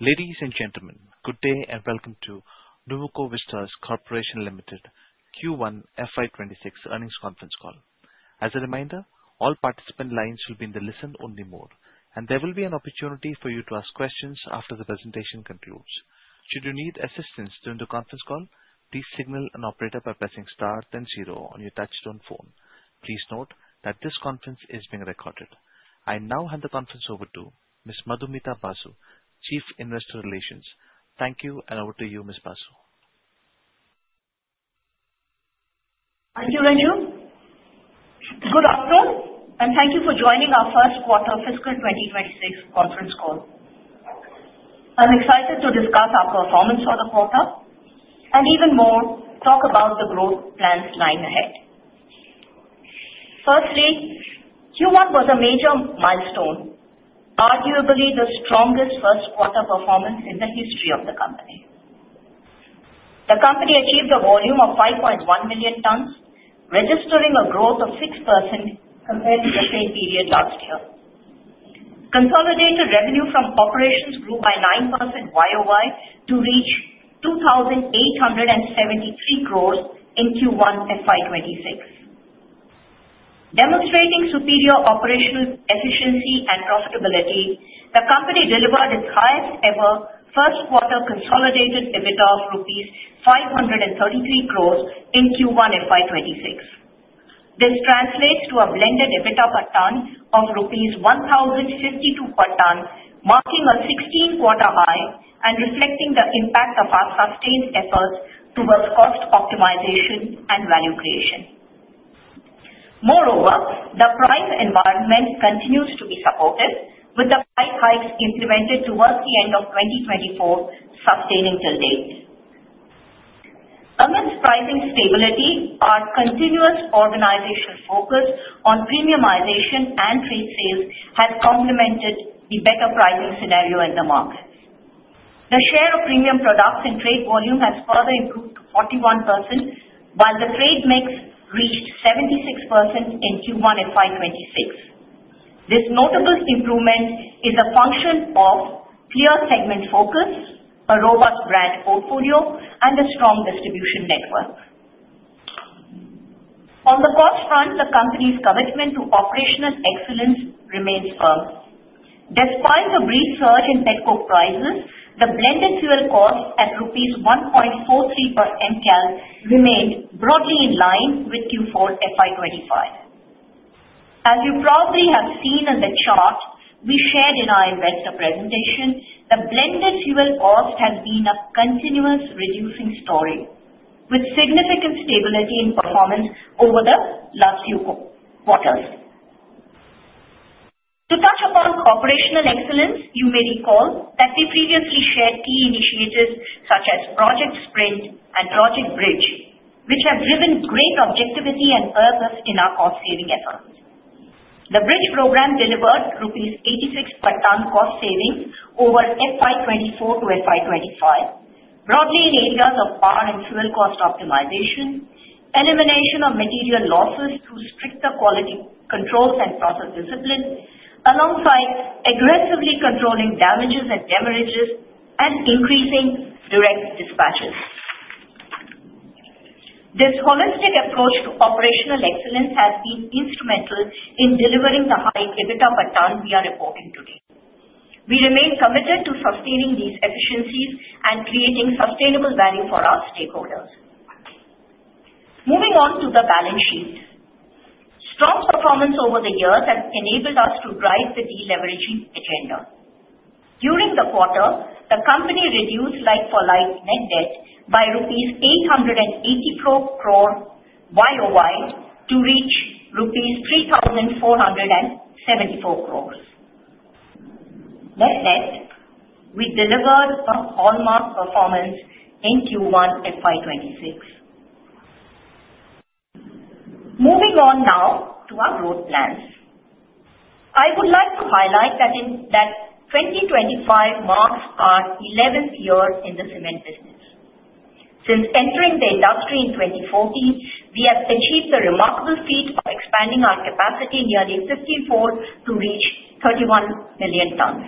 FY 2026 Earnings Conference Call. As a reminder, all participant lines will be in the listen-only mode, and there will be an opportunity for you to ask questions after the presentation concludes. Should you need assistance during the conference call, please signal an operator by pressing star then zero on your touch-tone phone. Please note that this conference is being recorded. I now hand the conference over to Ms. Madhumita Basu, Chief Investor Relations. Thank you, and over to you, Ms. Basu. Thank you, Ranju. Good afternoon, and thank you for joining our First Quarter Fiscal 2026 Conference Call. I'm excited to discuss our performance for the quarter and, even more, talk about the growth plans lying ahead. Firstly, Q1 was a major milestone, arguably the strongest first-quarter performance in the history of the company. The company achieved a volume of 5.1 million tons, registering a growth of 6% compared to the same period last year. Consolidated revenue from operations grew by 9% YoY to reach 2,873 crores in Q1 FY 2026. Demonstrating superior operational efficiency and profitability, the company delivered its highest-ever first-quarter consolidated EBITDA of rupees 533 crores in Q1 FY 2026. This translates to a blended EBITDA per ton of rupees 1,052 per ton, marking a 16-quarter high and reflecting the impact of our sustained efforts towards cost optimization and value creation. Moreover, the price environment continues to be supportive, with the price hikes implemented towards the end of 2024 sustaining till date. Amidst pricing stability, our continuous organizational focus on premiumization and trade sales has complemented the better pricing scenario in the market. The share of premium products in trade volume has further improved to 41%, while the trade mix reached 76% in Q1 FY 2026. This notable improvement is a function of clear segment focus, a robust brand portfolio, and a strong distribution network. On the cost front, the company's commitment to operational excellence remains firm. Despite the brief surge in petcoke prices, the blended fuel cost at rupees 1.43 per Mcal remained broadly in line with Q4 FY 2025. As you probably have seen in the chart we shared in our investor presentation, the blended fuel cost has been a continuous reducing story, with significant stability in performance over the last few quarters. To touch upon operational excellence, you may recall that we previously shared key initiatives such as Project Sprint and Project Bridge, which have driven great objectivity and purpose in our cost-saving efforts. The Bridge program delivered rupees 86 per ton cost savings over FY 2024 to FY 2025, broadly in areas of power and fuel cost optimization, elimination of material losses through stricter quality controls and process discipline, alongside aggressively controlling damages and hemorrhages and increasing direct dispatches. This holistic approach to operational excellence has been instrumental in delivering the high EBITDA per ton we are reporting today. We remain committed to sustaining these efficiencies and creating sustainable value for our stakeholders. Moving on to the balance sheet, strong performance over the years has enabled us to drive the deleveraging agenda. During the quarter, the company reduced like-for-like net debt by rupees 884 crore YoY to reach rupees 3,474 crores. Net debt, we delivered a hallmark performance in Q1 FY 2026. Moving on now to our growth plans, I would like to highlight that 2025 marks our 11th year in the cement business. Since entering the industry in 2014, we have achieved a remarkable feat of expanding our capacity nearly 15 folds to reach 31 million tons.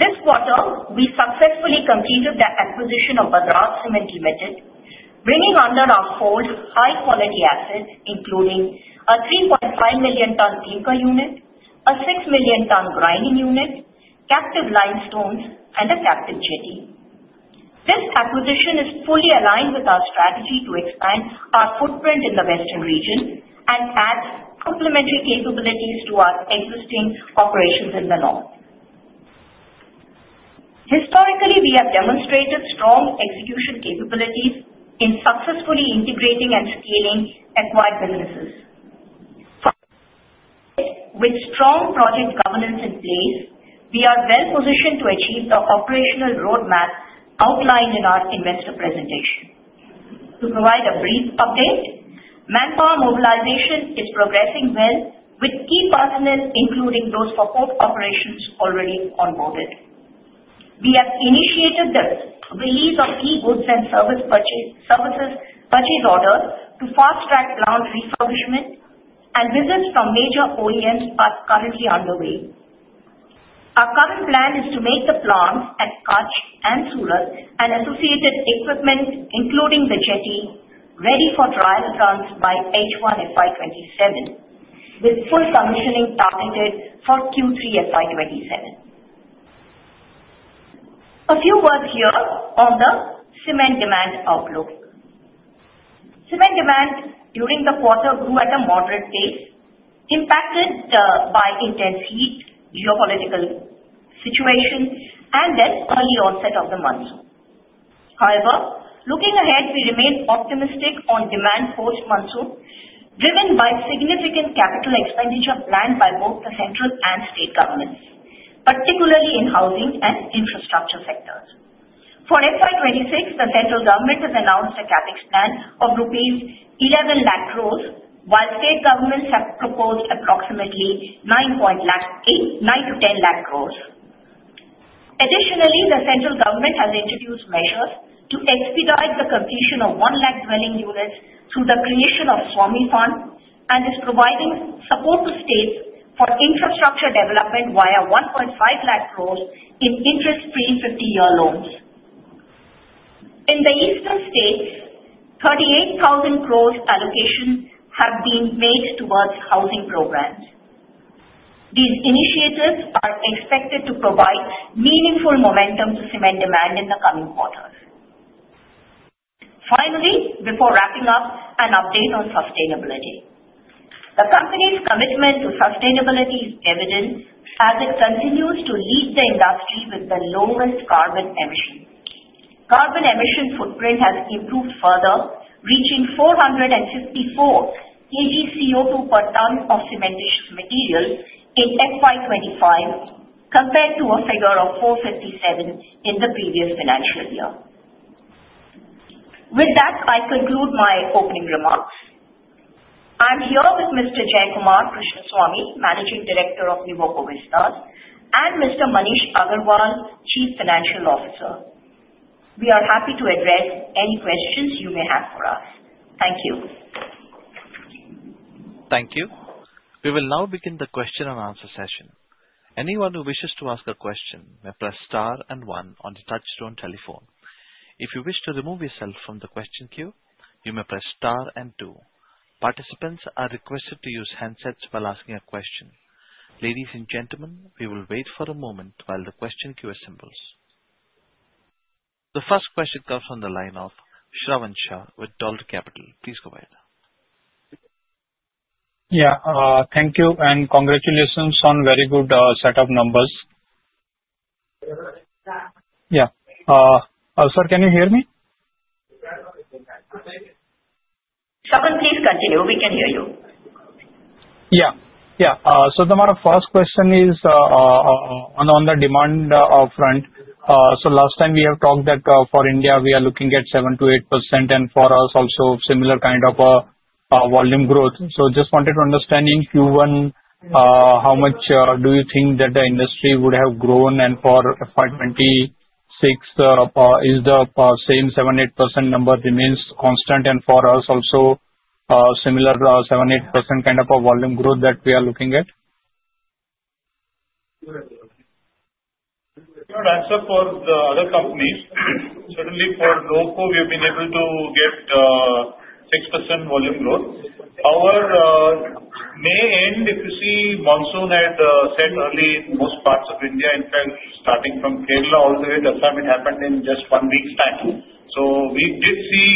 This quarter, we successfully completed the acquisition of Vadraj Cement Limited, bringing under our fold high-quality assets, including a 3.5 million ton clinker unit, a 6 million ton grinding unit, captive limestones, and a captive jetty. This acquisition is fully aligned with our strategy to expand our footprint in the Western region and add complementary capabilities to our existing operations in the north. Historically, we have demonstrated strong execution capabilities in successfully integrating and scaling acquired businesses. With strong project governance in place, we are well positioned to achieve the operational roadmap outlined in our Investor presentation. To provide a brief update, manpower mobilization is progressing well, with key personnel, including those for port operations, already onboarded. We have initiated the release of key goods and service purchase orders to fast-track plant refurbishment and visits from major OEMs are currently underway. Our current plan is to make the plants at Kutch and Surat and associated equipment, including the jetty, ready for trial runs by H1 FY 2027, with full commissioning targeted for Q3 FY 2027. A few words here on the cement demand outlook. Cement demand during the quarter grew at a moderate pace, impacted by intense heat, geopolitical situation, and the early onset of the monsoon. However, looking ahead, we remain optimistic on demand post-monsoon, driven by significant capital expenditure planned by both the central and state governments, particularly in housing and infrastructure sectors. For FY 2026, the central government has announced a Capex plan of rupees 11 lakh crores, while state governments have proposed approximately 9 to 10 lakh crores. Additionally, the central government has introduced measures to expedite the completion of 1 lakh dwelling units through the creation of SWAMIH Fund and is providing support to states for infrastructure development via 1.5 lakh crores in interest-free 50-year loans. In the eastern states, 38,000 crores allocation have been made towards housing programs. These initiatives are expected to provide meaningful momentum to cement demand in the coming quarters. Finally, before wrapping up, an update on sustainability. The company's commitment to sustainability is evident as it continues to lead the industry with the lowest carbon emission. Carbon emission footprint has improved further, reaching 454 kg CO2 per ton of cementitious material in FY 2025, compared to a figure of 457 in the previous financial year. With that, I conclude my opening remarks. I'm here with Mr. Jayakumar Krishnaswamy, Managing Director of Nuvoco Vistas, and Mr. Maneesh Agrawal, Chief Financial Officer. We are happy to address any questions you may have for us. Thank you. Thank you. We will now begin the question and answer session. Anyone who wishes to ask a question may press star and one on the touchstone telephone. If you wish to remove yourself from the question queue, you may press star and two. Participants are requested to use handsets while asking a question. Ladies and gentlemen, we will wait for a moment while the question queue assembles. The first question comes from the line of Shravan Shah with Dolat Capital. Please go ahead. Yeah, thank you, and congratulations on very good set of numbers. Yeah, sir, can you hear me? Shravan, please continue. We can hear you. Yeah, yeah. So the first question is on the demand front. So last time we have talked that for India, we are looking at 7%-8%, and for us also similar kind of volume growth. So just wanted to understand in Q1, how much do you think that the industry would have grown? And for FY 2026, is the same 7%-8% number remains constant? And for us also similar 7%-8% kind of a volume growth that we are looking at? Answer for the other companies, certainly for Nuvoco, we have been able to get 6% volume growth. Our May end, if you see, monsoon had set early in most parts of India. In fact, starting from Kerala all the way to Assam, it happened in just one week's time. So we did see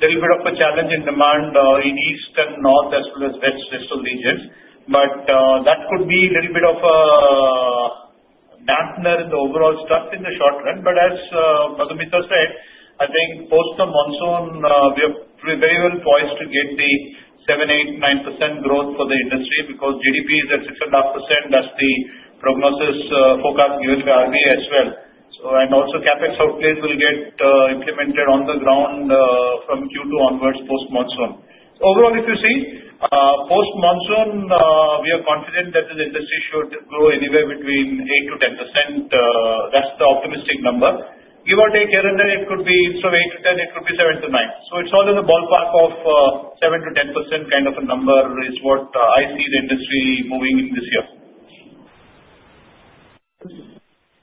a little bit of a challenge in demand in east and north as well as west coastal regions. But that could be a little bit of a dampener in the overall stuff in the short run. But as Madhumita said, I think post the monsoon, we are very well poised to get the 7%-8% growth for the industry because GDP is at 6.5% as the prognosis forecast given by RBI as well. And also CapEx outlays will get implemented on the ground from Q2 onwards post-monsoon. Overall, if you see, post-monsoon, we are confident that the industry should grow anywhere between 8%-10%. That's the optimistic number. Give or take here and there, it could be 8%-10%, it could be 7%-9%. So it's all in the ballpark of 7%-10% kind of a number is what I see the industry moving in this year.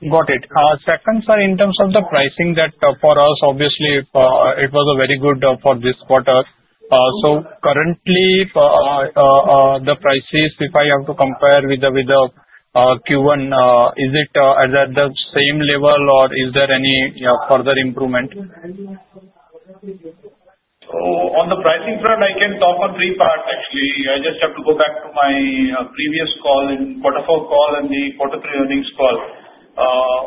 Got it. Second, sir, in terms of the pricing, that for us, obviously, it was very good for this quarter. So currently, the prices, if I have to compare with the Q1, is it at the same level or is there any further improvement? On the pricing front, I can talk on three parts, actually. I just have to go back to my previous call, in quarter four call and the quarter three earnings call.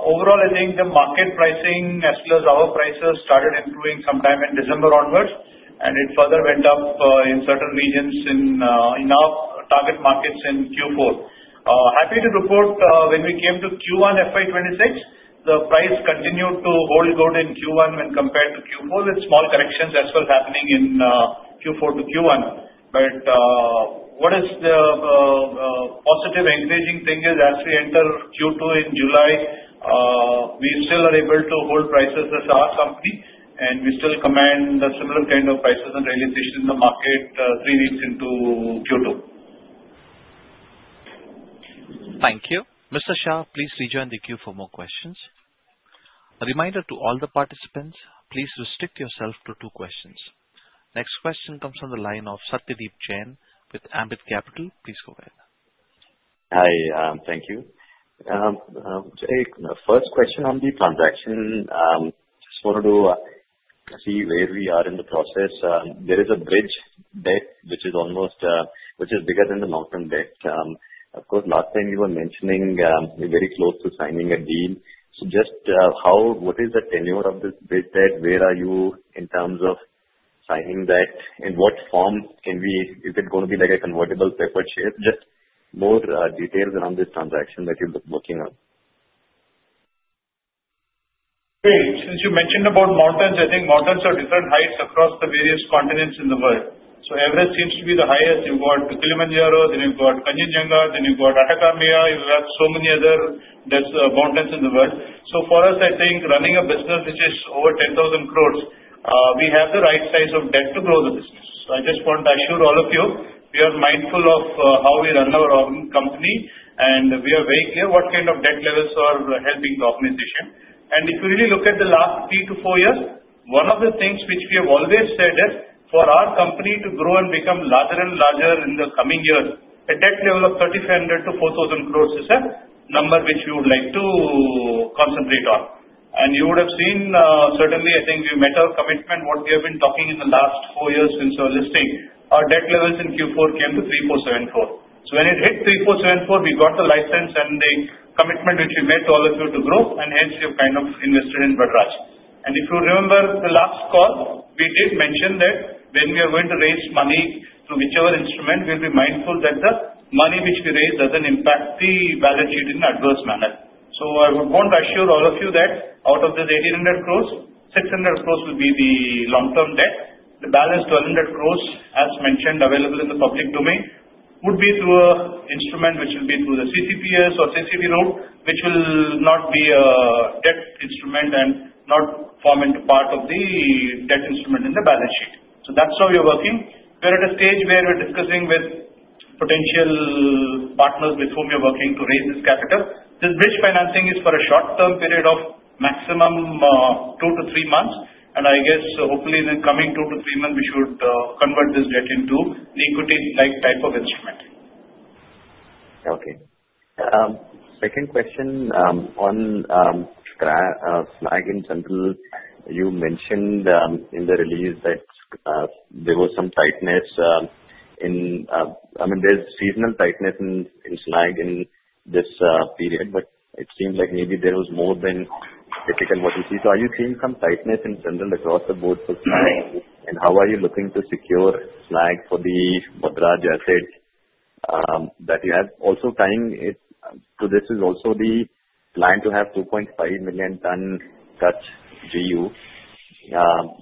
Overall, I think the market pricing, as well as our prices, started improving sometime in December onwards, and it further went up in certain regions in our target markets in Q4. Happy to report when we came to Q1 FY 2026, the price continued to hold good in Q1 when compared to Q4 with small corrections as well happening in Q4 to Q1. But what is the positive encouraging thing is as we enter Q2 in July, we still are able to hold prices as our company, and we still command the similar kind of prices and realization in the market three weeks into Q2. Thank you. Mr. Shah, please rejoin the queue for more questions. A reminder to all the participants, please restrict yourself to two questions. Next question comes from the line of Satyadeep Jain with Ambit Capital. Please go ahead. Hi, thank you. The first question on the transaction, just wanted to see where we are in the process. There is a bridge debt which is bigger than the long-term debt. Of course, last time you were mentioning you're very close to signing a deal. Just what is the tenure of this bridge debt? Where are you in terms of signing that? In what form is it going to be like a convertible preference share? Just more details around this transaction that you're working on. Since you mentioned about mountains, I think mountains are different heights across the various continents in the world. So Everest seems to be the highest. You've got Kilimanjaro, then you've got Kanchenjunga, then you've got Aconcagua. You have so many other mountains in the world. So for us, I think running a business which is over 10,000 crores, we have the right size of debt to grow the business. So I just want to assure all of you, we are mindful of how we run our own company, and we are very clear what kind of debt levels are helping the organization. If you really look at the last three to four years, one of the things which we have always said is for our company to grow and become larger and larger in the coming years, a debt level of 3,500-4,000 crores is a number which we would like to concentrate on. You would have seen, certainly, I think we've met our commitment, what we have been talking in the last four years since our listing. Our debt levels in Q4 came to 3,474 crores. When it hit 3,474 crores, we got the license and the commitment which we made to all of you to grow, and hence we have kind of invested in Vadraj. If you remember the last call, we did mention that when we are going to raise money through whichever instrument, we'll be mindful that the money which we raise doesn't impact the balance sheet in adverse manner. So I would want to assure all of you that out of the 1,800 crores, 600 crores will be the long-term debt. The balance 1,200 crores, as mentioned, available in the public domain, would be through an instrument which will be through the CCPS or CCD route, which will not be a debt instrument and not form into part of the debt instrument in the balance sheet. So that's how we are working. We are at a stage where we are discussing with potential partners with whom we are working to raise this capital. This bridge financing is for a short-term period of maximum two to three months. I guess hopefully in the coming two to three months, we should convert this debt into the equity-like type of instrument. Okay. Second question on slag in general. You mentioned in the release that there was some tightness. I mean, there's seasonal tightness in slag in this period, but it seemed like maybe there was more than typical what you see. So are you seeing some tightness in general across the board for slag? And how are you looking to secure slag for the Vadraj asset that you have? Also tying it to this is also the plan to have 2.5 million ton additional GU.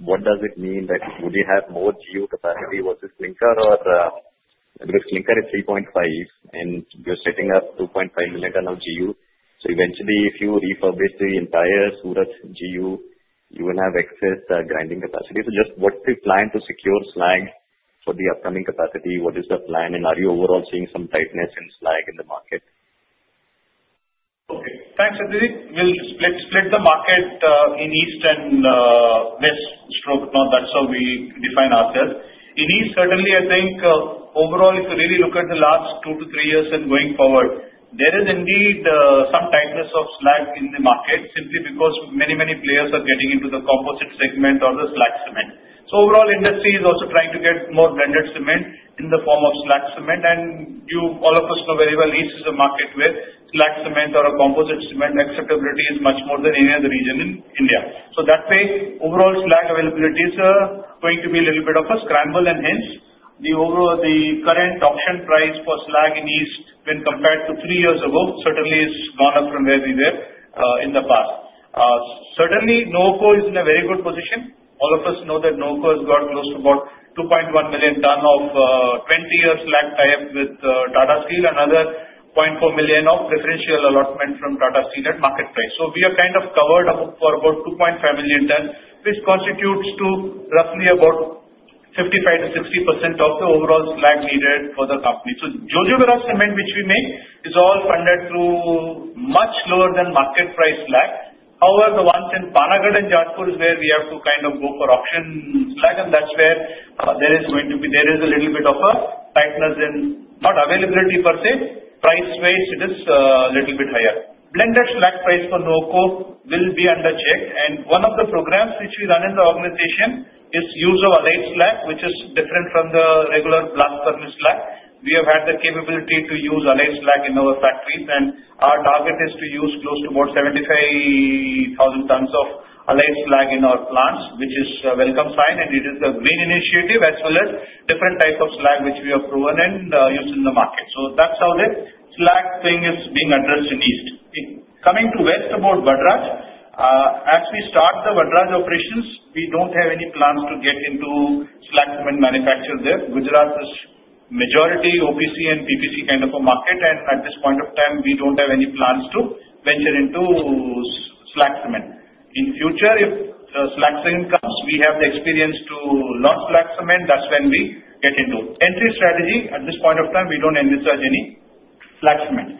What does it mean that would you have more GU capacity versus clinker? Because clinker is 3.5, and you're setting up 2.5 million ton of GU. So eventually, if you refurbish the entire Surat GU, you will have excess grinding capacity. So just what's the plan to secure slag for the upcoming capacity? What is the plan? Are you overall seeing some tightness in slag in the market? Okay. Thanks, Satyadeep. We'll split the market in east and west, not that we define ourselves. In east, certainly, I think overall, if you really look at the last two to three years and going forward, there is indeed some tightness of slag in the market simply because many, many players are getting into the composite segment or the slag cement. So overall, industry is also trying to get more blended cement in the form of slag cement. And all of us know very well east is a market where slag cement or a composite cement acceptability is much more than any other region in India. So that way, overall slag availability is going to be a little bit of a scramble. And hence, the current auction price for slag in east when compared to three years ago certainly has gone up from where we were in the past. Certainly, Nuvoco is in a very good position. All of us know that Nuvoco has got close to about 2.1 million ton of 20-year slag tie-up with Tata Steel and another 0.4 million of differential allotment from Tata Steel at market price. So we are kind of covered for about 2.5 million ton, which constitutes to roughly about 55%-60% of the overall slag needed for the company. So Jojobera cement, which we make, is all funded through much lower than market price slag. However, the ones in Panagarh and Jajpur is where we have to kind of go for auction slag, and that's where there is going to be a little bit of a tightness in not availability per se, price-wise it is a little bit higher. Blended slag price for Nuvoco will be under check. One of the programs which we run in the organization is use of alloy slag, which is different from the regular blast furnace slag. We have had the capability to use alloy slag in our factories, and our target is to use close to about 75,000 tons of alloy slag in our plants, which is a welcome sign. It is a green initiative as well as different types of slag which we have proven and used in the market. That's how the slag thing is being addressed in east. Coming to west about Vadraj, as we start the Vadraj operations, we don't have any plans to get into slag cement manufacture there. Gujarat is majority OPC and PPC kind of a market, and at this point of time, we don't have any plans to venture into slag cement. In future, if slag cement comes, we have the experience to launch slag cement. That's when we get into entry strategy. At this point of time, we don't envisage any slag cement.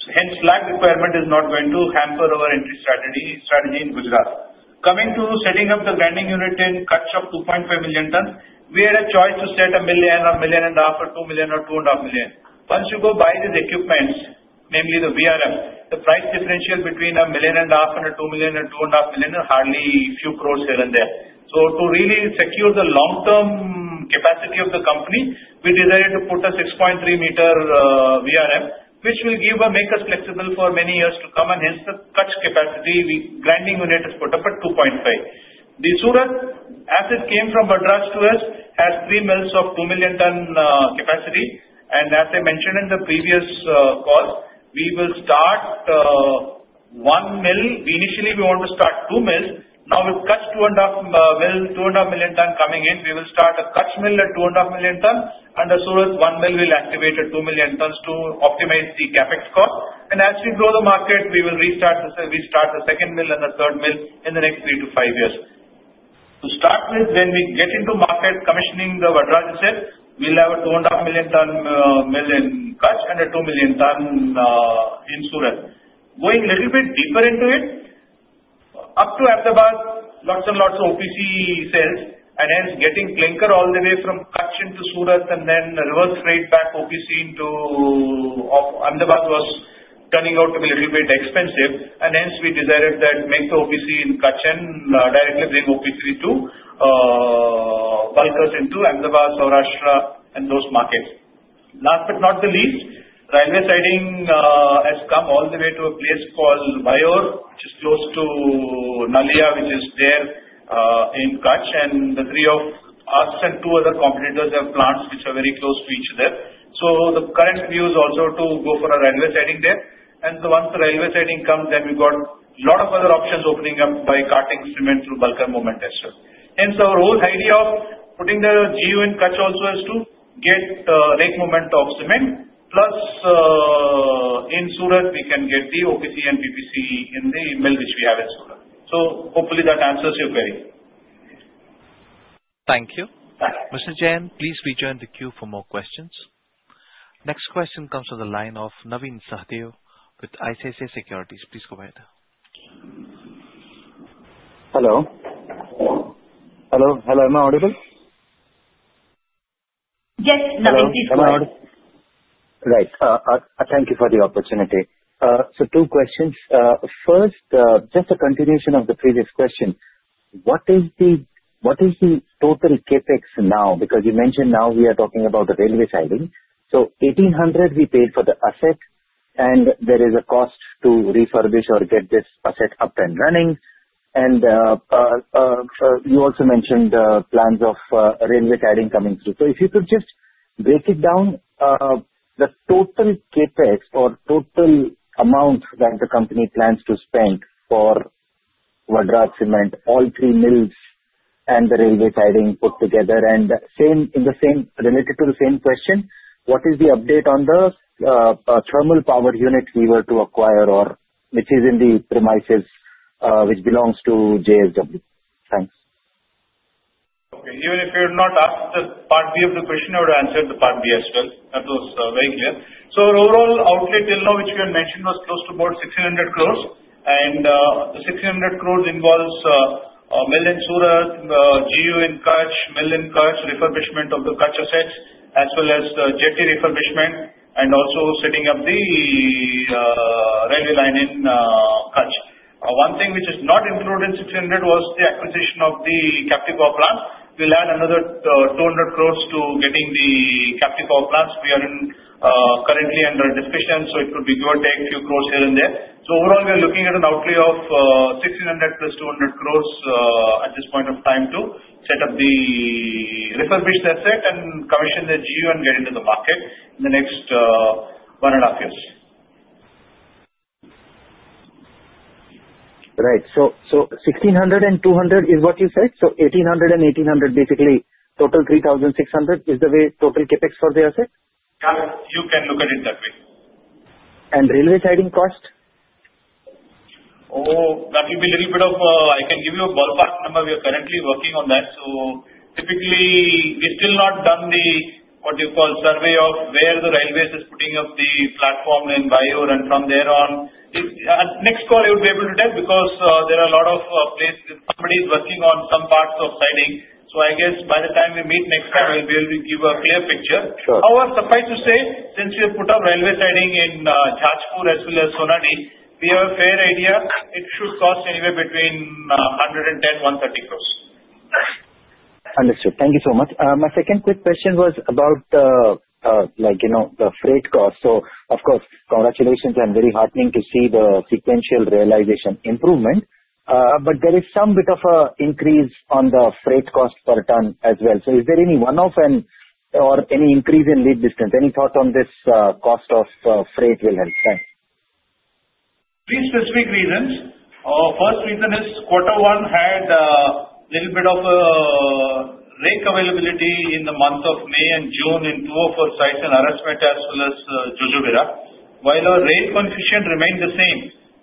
So hence, slag requirement is not going to hamper our entry strategy in Gujarat. Coming to setting up the grinding unit in Kutch of 2.5 million tons, we had a choice to set up a million or 0.5 million or 2 million or 2.5 million. Once you go buy this equipment, namely the VRM, the price differential between a 0.5 million and a 2 million and 2.5 million is hardly a few crores here and there. So to really secure the long-term capacity of the company, we decided to put a 6.3 m VRM, which will make us flexible for many years to come. Hence, the Kutch capacity grinding unit is put up at 2.5. The Surat, as it came from Vadraj to us, has three mills of 2 million ton capacity. As I mentioned in the previous call, we will start one mill. Initially, we want to start two mills. Now with Kutch 2.5 mill, 2.5 million ton coming in, we will start a Kutch mill at 2.5 million ton, and the Surat one mill will activate at 2 million tons to optimize the CapEx cost. As we grow the market, we will restart the second mill and the third mill in the next three to five years. To start with, when we get into market commissioning the Vadraj, we'll have a 2.5 million ton mill in Kutch and a 2 million ton in Surat. Going a little bit deeper into it, up to Ahmedabad, lots and lots of OPC sales, and hence, getting clinker all the way from Kutch into Surat and then reverse straight back OPC into Ahmedabad was turning out to be a little bit expensive. And hence, we decided that make the OPC in Kutch and directly bring OPC to bulkers into Ahmedabad, Saurashtra, and those markets. Last but not least, railway siding has come all the way to a place called Vayor, which is close to Nalia, which is there in Kutch. And the three of us and two other competitors have plants which are very close to each other. So the current view is also to go for a railway siding there. And once the railway siding comes, then we've got a lot of other options opening up by carting cement through bulkers more or less. Hence, our whole idea of putting the GU in Kutch also is to get rake movement of cement. Plus, in Surat, we can get the OPC and PPC in the mill which we have in Surat. So hopefully that answers your query. Thank you. Mr. Jain, please rejoin the queue for more questions. Next question comes from the line of Navin Sahadeo with ICICI Securities. Please go ahead. Hello. Hello. Hello. Am I audible? Yes. Navin, please go ahead. Right. Thank you for the opportunity. So two questions. First, just a continuation of the previous question. What is the total CapEx now? Because you mentioned now we are talking about the railway siding. So 1,800 we paid for the asset, and there is a cost to refurbish or get this asset up and running. And you also mentioned plans of railway siding coming through. So if you could just break it down, the total CapEx or total amount that the company plans to spend for Vadraj Cement, all three mills and the railway siding put together. And related to the same question, what is the update on the thermal power unit we were to acquire or which is in the premises which belongs to JSW? Thanks. Okay. Even if you're not asked the part B of the question, I would answer the part B as well. That was very clear. Our overall outlay, which we had mentioned, was close to about 1,600 crores. The 1,600 crores involves a mill in Surat, GU in Kutch, mill in Kutch, refurbishment of the Kutch assets, as well as the jetty refurbishment, and also setting up the railway line in Kutch. One thing which is not included in 1,600 crores was the acquisition of the Vadraj plant. We'll add another 200 crores to getting the Vadraj plants. We are currently under discussion, so it could be give or take a few crores here and there. So overall, we are looking at an outlay of 1,600 crore plus 200 crores at this point of time to set up the refurbished asset and commission the GU and get into the market in the next one and a half years. Right. So, 1,600 and 200 is what you said? So, 1,800 and 1,800, basically total 3,600, is the total CapEx for the asset? Yeah. You can look at it that way. Railway siding cost? Oh, that will be a little bit of a. I can give you a ballpark number. We are currently working on that, so typically, we've still not done the what you call survey of where the Railways are putting up the platform in Vayor, and from there on, next call, I would be able to tell because there are a lot of places somebody is working on some parts of siding, so I guess by the time we meet next time, I'll be able to give a clear picture. However, suffice to say, since we have put up railway siding in Jajpur as well as Sonadi, we have a fair idea. It should cost anywhere between 110 crore and 130 crore. Understood. Thank you so much. My second quick question was about the freight cost. So of course, congratulations. It's very heartening to see the sequential realization improvement. But there is some bit of an increase on the freight cost per ton as well. So is there any one-off or any increase in lead distance? Any thought on this cost of freight will help? Thanks. Three specific reasons. First reason is quarter one had a little bit of rake availability in the month of May and June in two of our sites in Arasmeta as well as Jojobera. While our rake coefficient remained the same,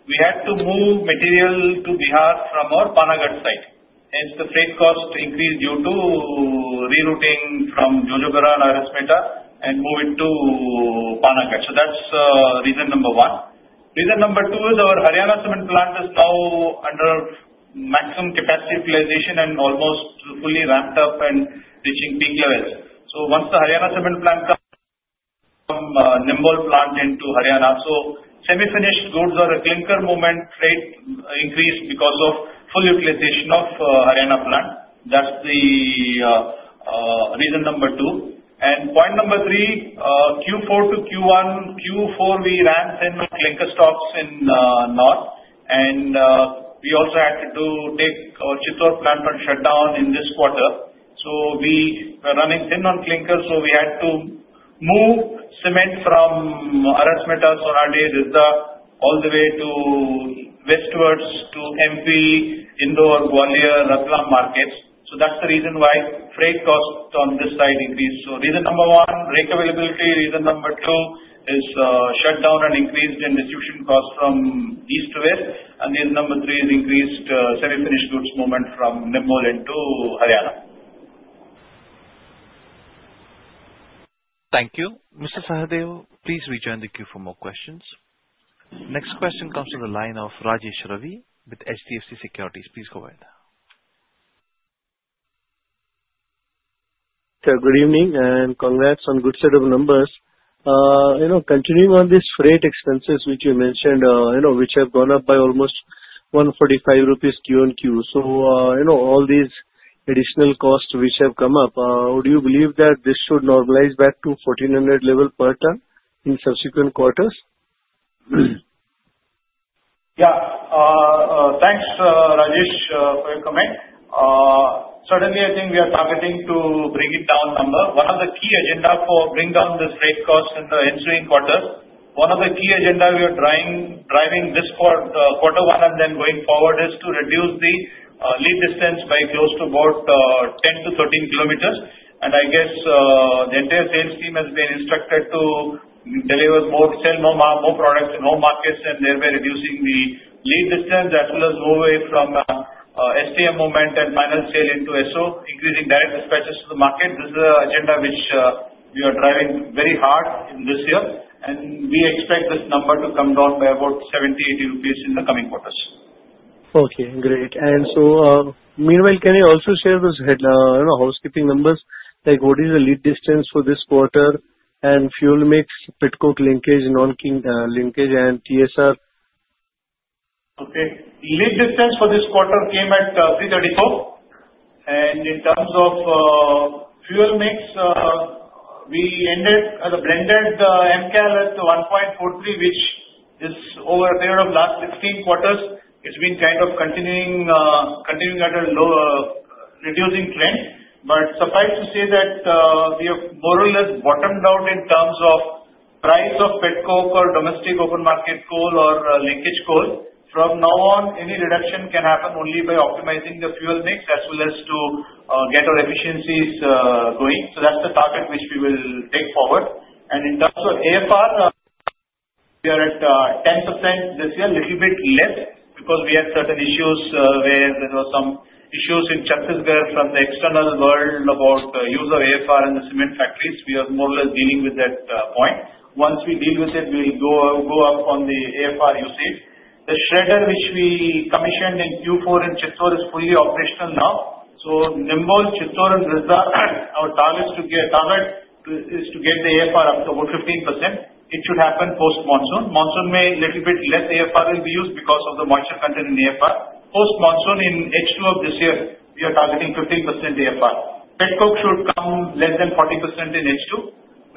we had to move material to Bihar from our Panagarh site. Hence, the freight cost increased due to rerouting from Jojobera and Arasmeta and move it to Panagarh. So that's reason number one. Reason number two is our Haryana cement plant is now under maximum capacity utilization and almost fully ramped up and reaching peak levels. So once the Haryana cement plant comes from Nimbol plant into Haryana, so semi-finished goods or a clinker moment rate increased because of full utilization of Haryana plant. That's the reason number two. Point number three, Q4 to Q1, Q4 we ran thin on clinker stocks in North. We also had to take our Chittor plant on shutdown in this quarter. So we were running thin on clinker, so we had to move cement from Arasmeta, Sonadih, Risda, all the way to westwards to MP, Indore, Gwalior, Ratlam markets. So that's the reason why freight cost on this side increased. So reason number one, rake availability. Reason number two is shutdown and increased in distribution cost from east to west. And reason number three is increased semi-finished goods movement from Nimbol into Haryana. Thank you. Mr. Sahadeo, please rejoin the queue for more questions. Next question comes from the line of Rajesh Ravi with HDFC Securities. Please go ahead. Good evening and congrats on a good set of numbers. Continuing on these freight expenses which you mentioned, which have gone up by almost 145 rupees Q&Q. So all these additional costs which have come up, would you believe that this should normalize back to 1,400 level per ton in subsequent quarters? Yeah. Thanks, Rajesh, for your comment. Certainly, I think we are targeting to bring it down. One of the key agendas for bringing down this freight cost in the ensuing quarters, one of the key agendas we are driving this quarter one and then going forward, is to reduce the lead distance by close to about 10-13 km. And I guess the entire sales team has been instructed to sell more products in all markets and thereby reducing the lead distance as well as moving away from STO movement and final sale into SO, increasing direct dispatches to the market. This is an agenda which we are driving very hard this year. And we expect this number to come down by about 70-80 rupees in the coming quarters. Okay. Great. And so meanwhile, can you also share those housekeeping numbers? What is the lead distance for this quarter? And fuel mix, petcoke linkage, non-linkage, and TSR? Okay. Lead distance for this quarter came at 334, and in terms of fuel mix, we ended at a blended Mcal at 1.43, which is over a period of last 16 quarters. It's been kind of continuing at a reducing trend, but suffice to say that we have more or less bottomed out in terms of price of petcoke or domestic open market coal or linkage coal. From now on, any reduction can happen only by optimizing the fuel mix as well as to get our efficiencies going, so that's the target which we will take forward, and in terms of AFR, we are at 10% this year, a little bit less because we had certain issues where there were some issues in Chhattisgarh from the external world about the use of AFR in the cement factories. We are more or less dealing with that point. Once we deal with it, we'll go up on the AFR usage. The shredder which we commissioned in Q4 in Chittor is fully operational now. So Nimbol, Chittor, and Risda, our target is to get the AFR up to about 15%. It should happen post monsoon. Monsoon may be a little bit less, AFR will be used because of the moisture content in AFR. Post monsoon in H2 of this year, we are targeting 15% AFR. Petcoke should come less than 40% in H2,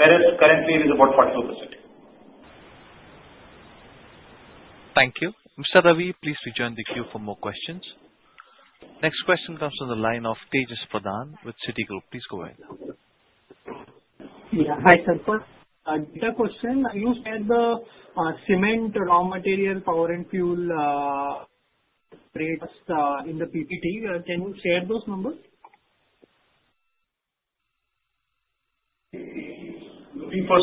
whereas currently it is about 44%. Thank you. Mr. Ravi, please rejoin the queue for more questions. Next question comes from the line of Tejas Pradhan with Citi. Please go ahead. Yeah. Hi. A question. You shared the cement raw material power and fuel rates in the PPT. Can you share those numbers? Looking for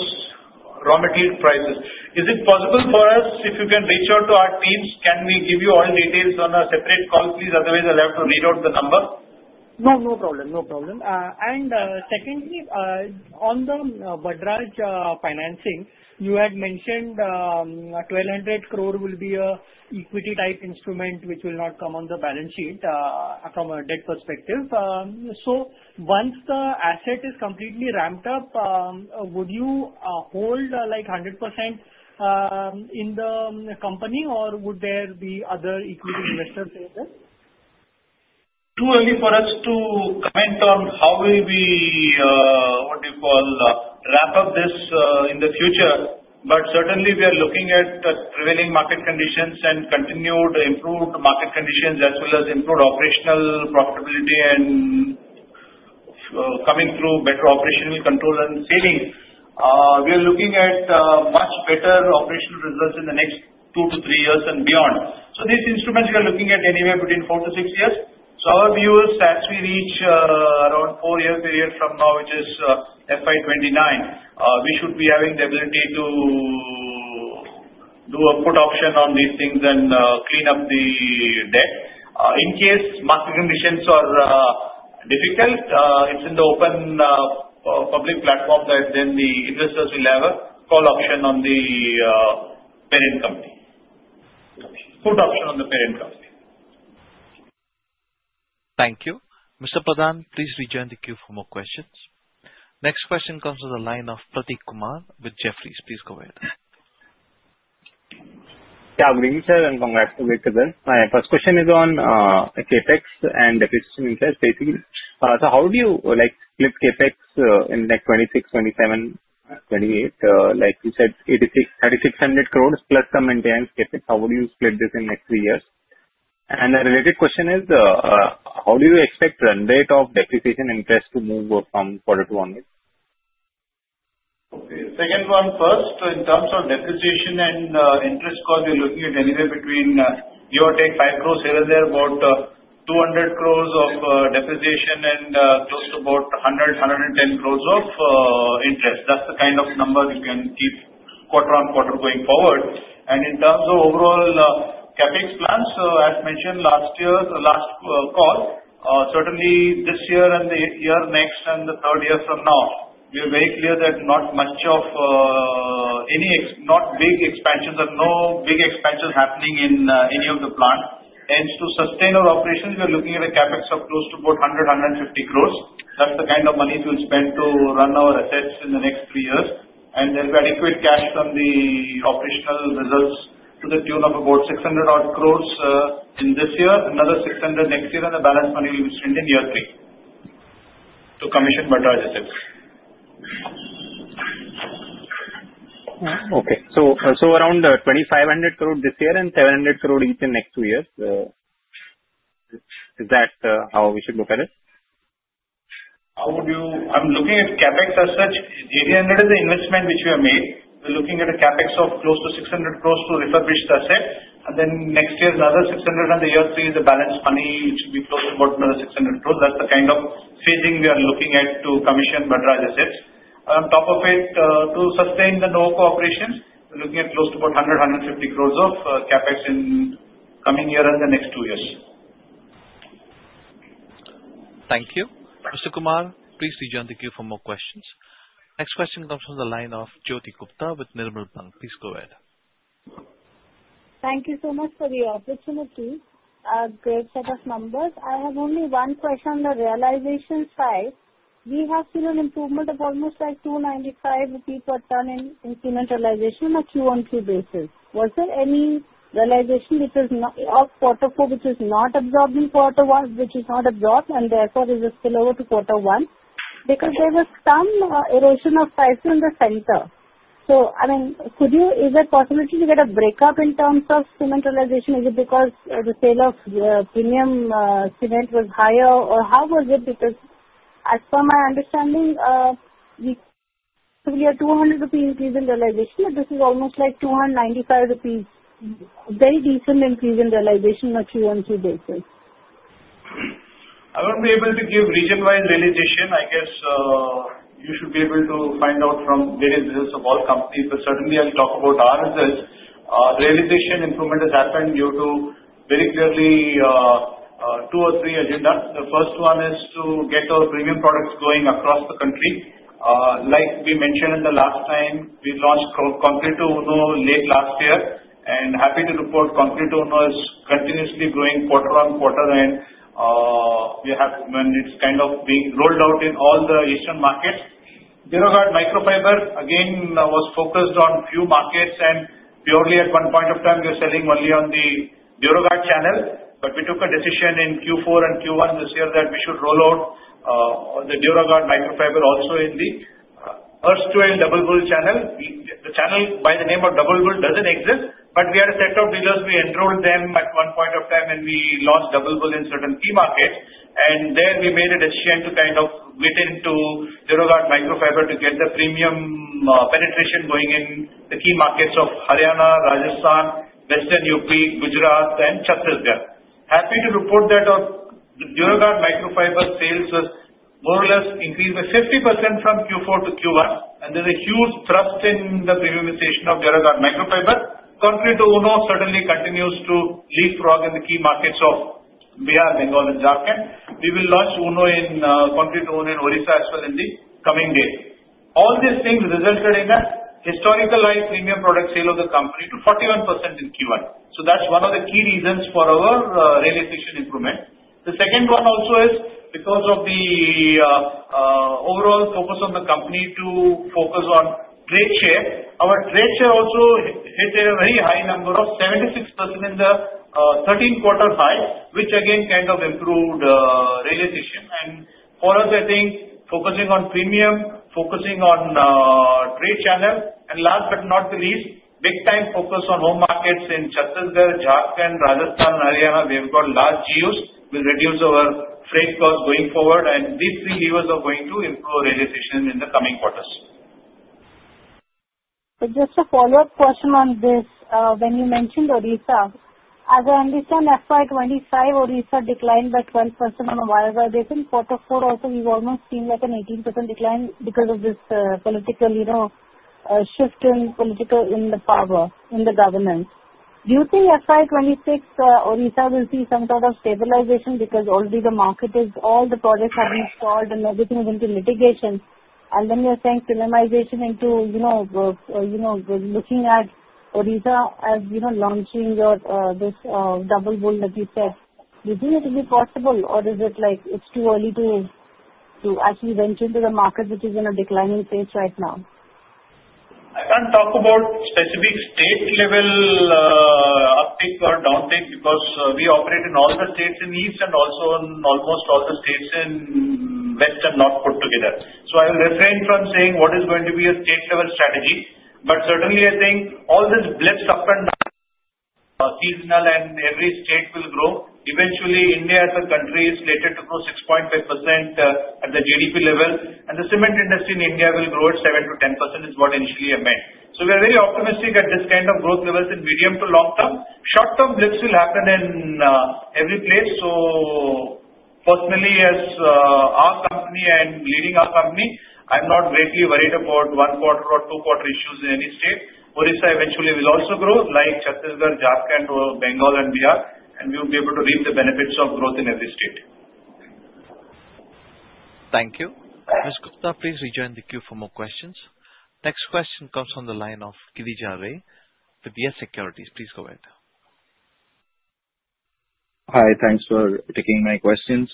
raw material prices. Is it possible for us, if you can reach out to our teams, can we give you all details on a separate call, please? Otherwise, I'll have to read out the number. No, no problem. No problem. And secondly, on the Vadraj financing, you had mentioned 1,200 crore will be an equity-type instrument which will not come on the balance sheet from a debt perspective. So once the asset is completely ramped up, would you hold 100% in the company, or would there be other equity investors in this? Too early for us to comment on how we will, what do you call, ramp up this in the future. But certainly, we are looking at prevailing market conditions and continued improved market conditions as well as improved operational profitability and coming through better operational control and scaling. We are looking at much better operational results in the next two to three years and beyond. So these instruments we are looking at anywhere between four to six years. So our view is as we reach around four years a year from now, which is FY 2029, we should be having the ability to do a put option on these things and clean up the debt. In case market conditions are difficult, it's in the open public platform that then the investors will have a call option on the parent company. Put option on the parent company. Thank you. Mr. Pradhan, please rejoin the queue for more questions. Next question comes from the line of Prateek Kumar with Jefferies. Please go ahead. Yeah. Good evening, Sir, and congrats to be present. My first question is on CapEx and the decision in place. So how do you split CapEx in the next FY 2026, FY 2027, FY 2028? You said INR 3,600 crores plus some maintenance CapEx. How would you split this in the next three years? And the related question is, how do you expect run rate of depreciation interest to move from Q1 FY 2025? Okay. Second one first, in terms of depreciation and interest cost, we are looking at anywhere between give or take 5 crores here and there, about 200 crores of depreciation and close to about 100-110 crores of interest. That's the kind of number you can keep quarter on quarter going forward, and in terms of overall CapEx plans, as mentioned last call, certainly this year and the year next and the third year from now, we are very clear that not much of any big expansions or no big expansions happening in any of the plant. Hence, to sustain our operations, we are looking at a CapEx of close to about 100-150 crores. That's the kind of money to spend to run our assets in the next three years. There will be adequate cash on the operational results to the tune of about 600 crores in this year, another 600 next year, and the balance money will be spent in year three to commission Vadraj assets. Okay. So around 2,500 crores this year and 700 crores each in the next two years. Is that how we should look at it? How would you? I'm looking at CapEx as such. 800 is the investment which we have made. We're looking at a CapEx of close to 600 crores to refurbish the asset. Then next year, another 600, and the year three is the balance money which will be close to about another 600 crores. That's the kind of phasing we are looking at to commission Vadraj assets. On top of it, to sustain the Nuvoco operations, we're looking at close to about 100 crores-150 crores of CapEx in the coming year and the next two years. Thank you. Mr. Kumar, please rejoin the queue for more questions. Next question comes from the line of Jyoti Gupta with Nirmal Bang. Please go ahead. Thank you so much for the opportunity. A great set of numbers. I have only one question on the realization side. We have seen an improvement of almost like 295 rupees per ton in cement realization on a Q1, Q2 basis. Was there any realization of quarter four which is not absorbed in quarter one, and therefore is still over to quarter one? Because there was some erosion of prices in the center. So I mean, is there a possibility to get a breakup in terms of cement realization? Is it because the sale of premium cement was higher, or how was it? Because as per my understanding, we have a 200 rupee increase in realization, but this is almost like 295 rupees, very decent increase in realization on a Q1, Q2 basis. I won't be able to give region-wide realization. I guess you should be able to find out from various results of all companies, but certainly, I'll talk about our results. Realization improvement has happened due to very clearly two or three agendas. The first one is to get our premium products going across the country. Like we mentioned the last time, we launched Concreto Uno late last year. And happy to report, Concreto Uno continuously growing quarter on quarter. And we have when it's kind of being rolled out in all the eastern markets. Duraguard Microfiber, again, was focused on few markets, and purely at one point of time, we were selling only on the Duraguard channel. But we took a decision in Q4 and Q1 this year that we should roll out the Duraguard Microfiber also in the Erstwhile Double Bull channel. The channel by the name of Double Bull doesn't exist, but we had a set of dealers. We enrolled them at one point of time, and we launched Double Bull in certain key markets. And there, we made a decision to kind of get into Duraguard Microfiber to get the premium penetration going in the key markets of Haryana, Rajasthan, Western UP, Gujarat, and Chhattisgarh. Happy to report that our Duraguard Microfiber sales have more or less increased by 50% from Q4 to Q1. And there's a huge thrust in the premiumization of Duraguard Microfiber. Concreto Uno certainly continues to leapfrog in the key markets of Bihar, Bengal, and Jharkhand. We will launch Concreto Uno in Odisha as well in the coming days. All these things resulted in a historical high premium product sale of the company to 41% in Q1. So that's one of the key reasons for our realization improvement. The second one also is because of the overall focus on the company to focus on trade share. Our trade share also hit a very high number of 76% in the 13-quarter high, which again kind of improved realization. And for us, I think focusing on premium, focusing on trade channel, and last but not the least, big-time focus on home markets in Chhattisgarh, Jharkhand, Rajasthan, and Haryana, we've got large GUs. We'll reduce our freight costs going forward. And these three levers are going to improve realization in the coming quarters. Just a follow-up question on this. When you mentioned Odisha, as I understand, FY 2025, Odisha declined by 12% on a YoY basis. Quarter four also, we've almost seen like an 18% decline because of this political shift in the political power in the government. Do you think FY 2026, Odisha will see some sort of stabilization because already the market is all the projects have been stalled and everything is into mitigation? And then you're saying premiumization into looking at Odisha as launching this Double Bull that you said. Do you think it will be possible, or is it like it's too early to actually venture into the market, which is in a declining phase right now? I can't talk about specific state-level uptake or downtake because we operate in all the states in the east and also in almost all the states in the west and north put together, so I will refrain from saying what is going to be a state-level strategy, but certainly, I think all this blips up and down seasonal and every state will grow. Eventually, India as a country is slated to grow 6.5% at the GDP level, and the cement industry in India will grow at 7%-10% is what initially I meant, so we are very optimistic at this kind of growth levels in medium to long term, short-term blips will happen in every place, so personally, as our company and leading our company, I'm not greatly worried about one-quarter or two-quarter issues in any state. Orissa eventually will also grow like Chhattisgarh, Jharkhand, Bengal, and Bihar, and we will be able to reap the benefits of growth in every state. Thank you. Mr. Gupta, please rejoin the queue for more questions. Next question comes from the line of Girija Ray, YES Securities. Please go ahead. Hi. Thanks for taking my questions.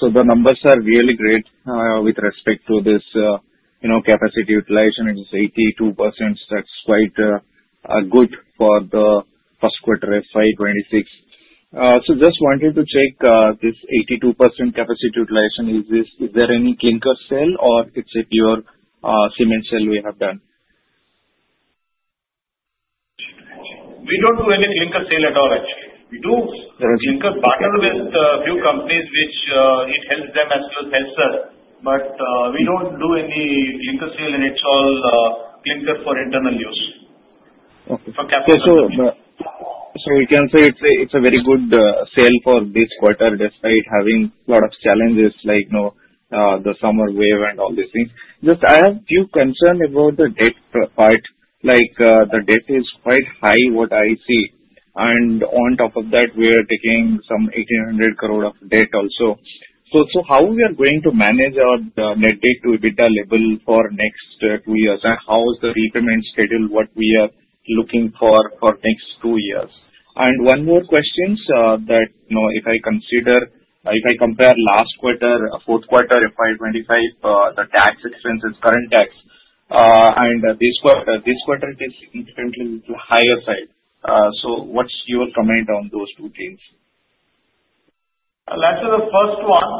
So the numbers are really great with respect to this capacity utilization. It is 82%. That's quite good for the first quarter, FY 2026. So just wanted to check this 82% capacity utilization. Is there any clinker sale, or it's a pure cement sale we have done? We don't do any clinker sale at all, actually. We do clinker barter with a few companies, which it helps them as well as helps us. But we don't do any clinker sale, and it's all clinker for internal use. Okay. So we can say it's a very good sale for this quarter despite having a lot of challenges like the summer wave and all these things. Just I have a few concerns about the debt part. The debt is quite high, what I see. And on top of that, we are taking some 1,800 crore of debt also. So how we are going to manage our net debt to EBITDA level for next two years? How is the repayment schedule what we are looking for for next two years? And one more question that if I compare last quarter, fourth quarter, FY 2025, the tax expenses, current tax, and this quarter, this quarter is significantly higher side. So what's your comment on those two things? That's the first one.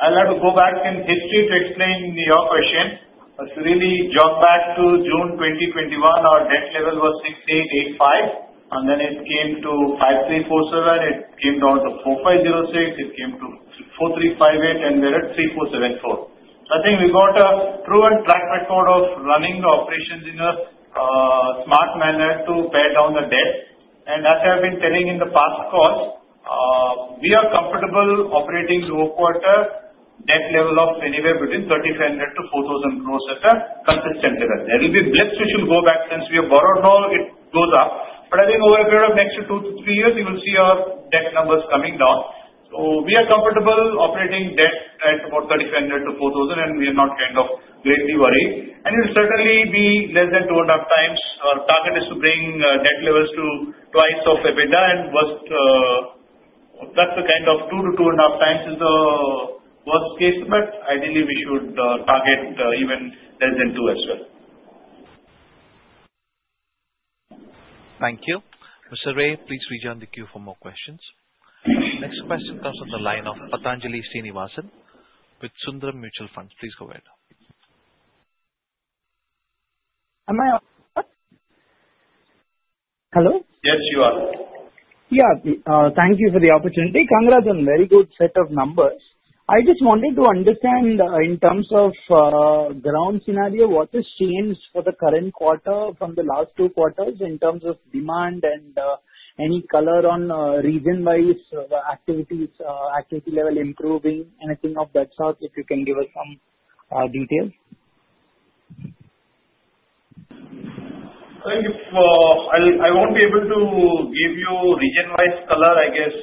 I'll have to go back in history to explain your question. It's really jumped back to June 2021. Our debt level was 6,885. And then it came to 5,347. It came down to 4,506. It came to 4,358, and we're at 3,474. So I think we got a proven track record of running the operations in a smart manner to pay down the debt. And as I've been telling in the past calls, we are comfortable operating low quarter debt level of anywhere between 3,500 to 4,000 crores at a consistent level. There will be blips which will go back since we have borrowed. Now it goes up. But I think over a period of next two to three years, you will see our debt numbers coming down. So we are comfortable operating debt at about 3,500-4,000, and we are not kind of greatly worried. And it will certainly be less than two and a half times. Our target is to bring debt levels to twice of EBITDA. And that's the kind of two to two and a half times is the worst case. But ideally, we should target even less than two as well. Thank you. Mr. Ray, please rejoin the queue for more questions. Next question comes from the line of Pathanjali Srinivasan with Sundaram Mutual Funds. Please go ahead. Am I on? Hello? Yes, you are. Yeah. Thank you for the opportunity. Congrats on a very good set of numbers. I just wanted to understand in terms of ground scenario, what has changed for the current quarter from the last two quarters in terms of demand and any color on region-wise activity level improving? Anything of that sort, if you can give us some details. Thank you. I won't be able to give you region-wise color. I guess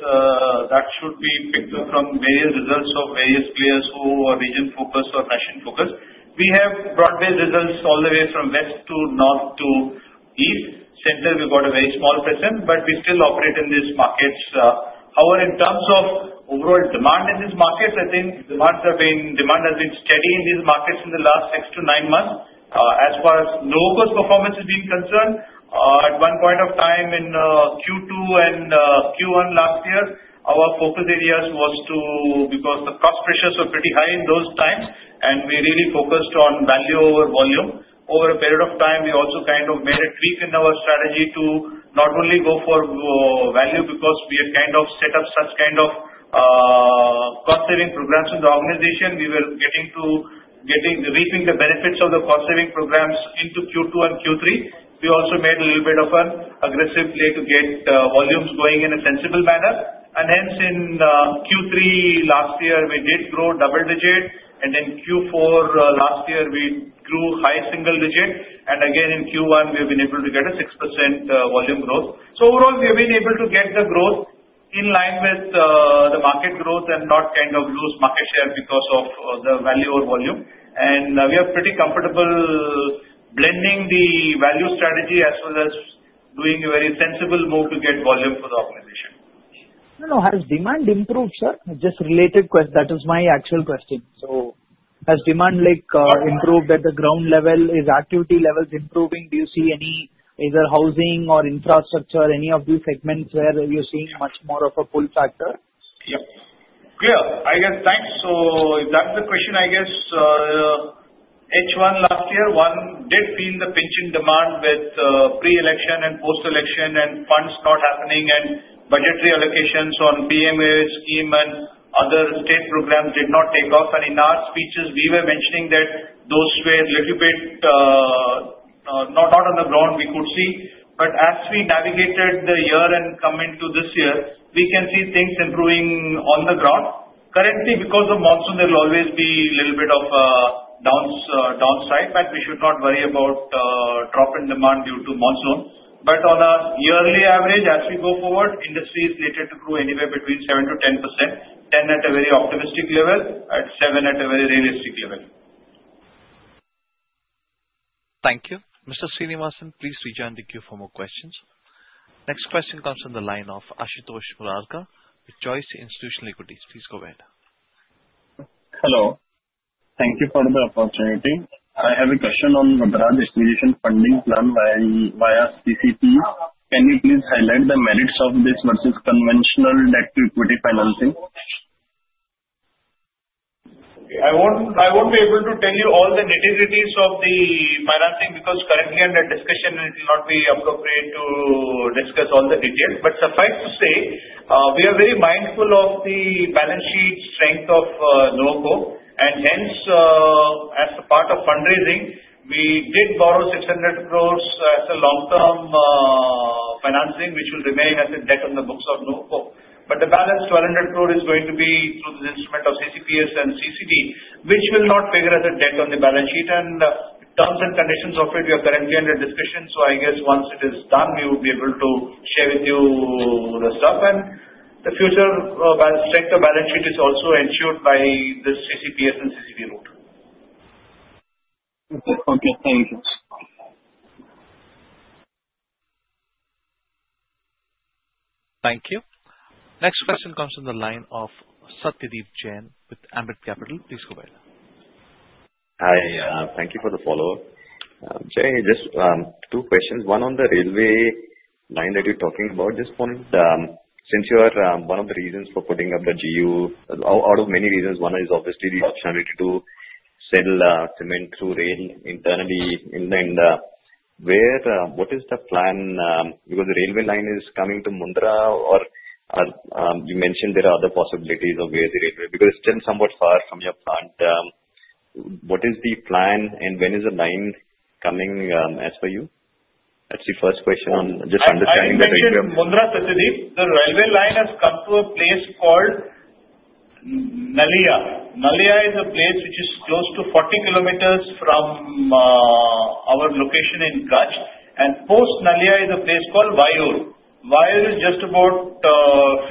that should be picked up from various results of various players who are region-focused or nation-focused. We have broad-based results all the way from west to north to east. Center, we've got a very small percent, but we still operate in these markets. However, in terms of overall demand in these markets, I think demand has been steady in these markets in the last six to nine months. As far as low-cost performance is being concerned, at one point of time in Q2 and Q1 last year, our focus areas was to because the cost pressures were pretty high in those times, and we really focused on value over volume. Over a period of time, we also kind of made a tweak in our strategy to not only go for value because we had kind of set up such kind of cost-saving programs in the organization. We were getting to reaping the benefits of the cost-saving programs into Q2 and Q3. We also made a little bit of an aggressive play to get volumes going in a sensible manner. And hence, in Q3 last year, we did grow double-digit. And in Q4 last year, we grew high single-digit. And again, in Q1, we have been able to get a 6% volume growth. So overall, we have been able to get the growth in line with the market growth and not kind of lose market share because of the value or volume. We are pretty comfortable blending the value strategy as well as doing a very sensible move to get volume for the organization. Has demand improved, sir? Just related question. That was my actual question. So has demand improved at the ground level? Is activity levels improving? Do you see any either housing or infrastructure, any of these segments where you're seeing much more of a pull factor? Yep. Clear. I guess thanks. So if that's the question, I guess H1 last year, one did feel the pinching demand with pre-election and post-election and funds not happening and budgetary allocations on PMAY and other state programs did not take off. And in our speeches, we were mentioning that those were a little bit not on the ground we could see. But as we navigated the year and come into this year, we can see things improving on the ground. Currently, because of monsoon, there will always be a little bit of downside, but we should not worry about drop in demand due to monsoon. But on a yearly average, as we go forward, industry is slated to grow anywhere between 7%-10%, 10% at a very optimistic level, 7% at a very realistic level. Thank you. Mr. Srinivasan, please rejoin the queue for more questions. Next question comes from the line of Ashutosh Murarka with Choice Institutional Equities. Please go ahead. Hello. Thank you for the opportunity. I have a question on the Bharat Distribution Funding Plan via CCP. Can you please highlight the merits of this versus conventional debt to equity financing? I won't be able to tell you all the nitty-gritties of the financing because currently under discussion, it will not be appropriate to discuss all the details. But suffice to say, we are very mindful of the balance sheet strength of Nuvoco. And hence, as a part of fundraising, we did borrow 600 crores as a long-term financing, which will remain as a debt on the books of Nuvoco. But the balance, 1,200 crore, is going to be through the instrument of CCPS and CCD, which will not figure as a debt on the balance sheet. And the terms and conditions of it, we are currently under discussion. So I guess once it is done, we will be able to share with you the stuff. And the future strength of balance sheet is also ensured by the CCPS and CCD route. Okay. Thank you. Thank you. Next question comes from the line of Satyadeep Jain with Ambit Capital. Please go ahead. Hi. Thank you for the follow-up. Jay, just two questions. One on the railway line that you're talking about just point. Since you are one of the reasons for putting up the GU, out of many reasons, one is obviously the optionality to sell cement through rail internally. And what is the plan? Because the railway line is coming to Mundra, or you mentioned there are other possibilities of where the railway because it's still somewhat far from your plant. What is the plan, and when is the line coming as per you? That's the first question on just understanding the railway. If you mentioned Mundra, Satyadeep, the railway line has come to a place called Nalia. Nalia is a place which is close to 40 km from our location in Kutch, and past Nalia is a place called Vayor. Vayor is just about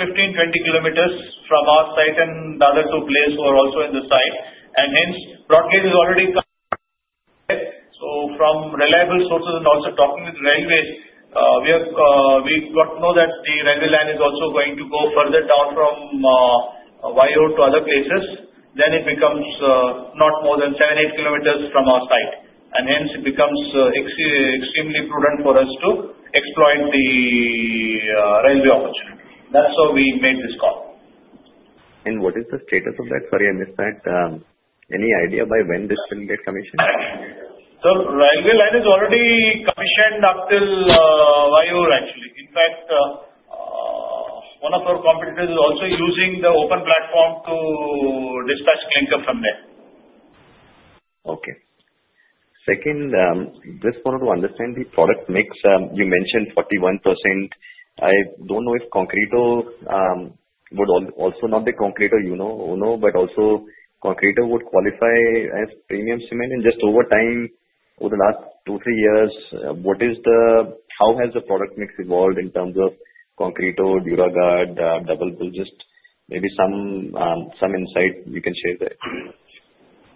15-20 km from our site, and the other two places are also in the site. And hence, broad gauge is already coming. So from reliable sources and also talking with Railways, we got to know that the railway line is also going to go further down from Vayor to other places, then it becomes not more than 7-8 km from our site. And hence, it becomes extremely prudent for us to exploit the railway opportunity. That's how we made this call. What is the status of that? Sorry, I missed that. Any idea by when this will get commissioned? The railway line is already commissioned up till Vayor, actually. In fact, one of our competitors is also using the open platform to dispatch clinker from there. Okay. Second, just wanted to understand the product mix. You mentioned 41%. I don't know if Concreto would also not be Concreto, you know, but also Concreto would qualify as premium cement. And just over time, over the last two, three years, how has the product mix evolved in terms of Concreto, Duraguard, Double Bull? Just maybe some insight you can share there.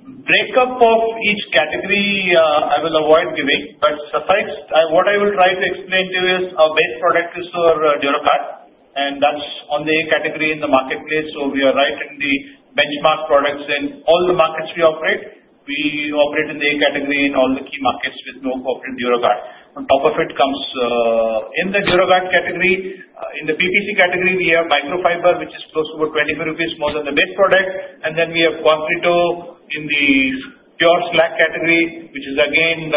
Breakup of each category I will avoid giving. But suffice, what I will try to explain to you is our main product is our Duraguard. And that's only a category in the marketplace. So we are right in the benchmark products in all the markets we operate. We operate in the A category in all the key markets with Nuvoco and Duraguard. On top of it comes in the Duraguard category. In the PPC category, we have Microfiber, which is close to about 25 rupees more than the base product. And then we have Concreto in the pure slag category, which is again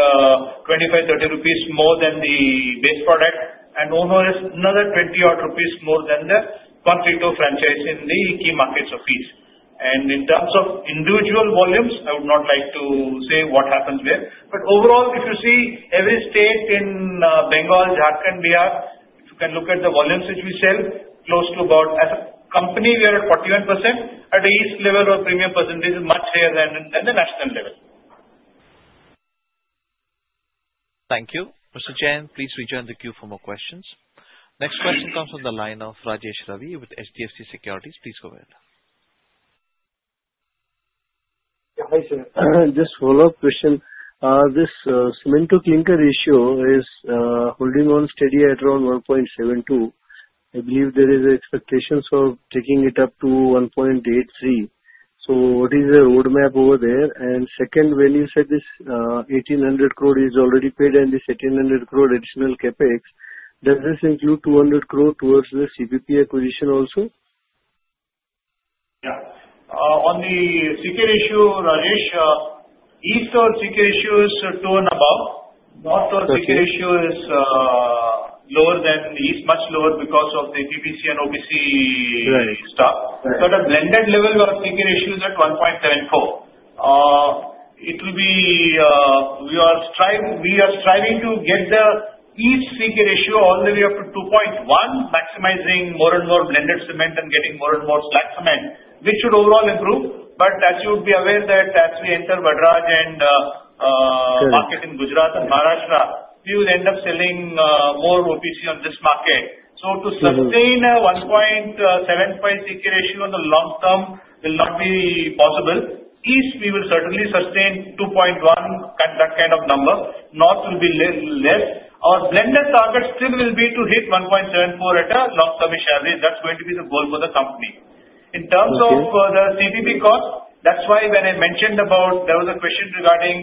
25-30 rupees more than the base product. And Uno is another 20 rupees more than the Concreto franchise in the key markets of East. And in terms of individual volumes, I would not like to say what happens there. But overall, if you see every state in Bengal, Jharkhand, Bihar, if you can look at the volumes which we sell, close to about as a company, we are at 41%. At the East level, our premium percentage is much higher than the national level. Thank you. Mr. Jain, please rejoin the queue for more questions. Next question comes from the line of Rajesh Ravi with HDFC Securities. Please go ahead. Yeah. Hi, sir. Just follow-up question. This cement to clinker ratio is holding on steady at around 1.72. I believe there are expectations of taking it up to 1.83. So what is the roadmap over there? And second, when you said this 1,800 crore is already paid and this 1,800 crore additional CapEx, does this include 200 crore towards the CPP acquisition also? Yeah. On the cement issue, Rajesh, Eastern cement issue is two and above. Northern cement issue is lower than East, much lower because of the PPC and OPC stuff. But at blended level, our cement issue is at 1.74. It will be we are striving to get the Eastern cement issue all the way up to 2.1, maximizing more and more blended cement and getting more and more slag cement, which should overall improve. But as you would be aware that as we enter Vadraj and market in Gujarat and Maharashtra, we will end up selling more OPC in this market. So to sustain a 1.75 realization in the long term will not be possible. East, we will certainly sustain 2.1, that kind of number. North will be less. Our blended target still will be to hit 1.74 in a long-term realization. That's going to be the goal for the company. In terms of the CPP cost, that's why when I mentioned about there was a question regarding